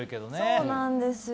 そうなんですよ。